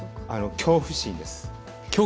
恐怖心です。